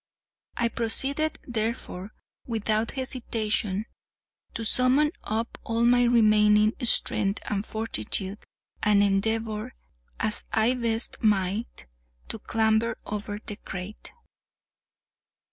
I proceeded, therefore, without hesitation, to summon up all my remaining strength and fortitude, and endeavour, as I best might, to clamber over the crate.